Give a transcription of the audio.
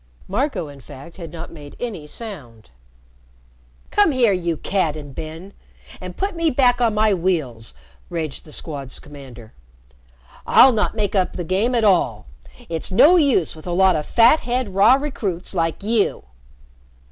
Marco, in fact, had not made any sound. "Come here, you Cad and Ben, and put me back on my wheels," raged the Squad's commander. "I'll not make up the game at all. It's no use with a lot of fat head, raw recruits like you."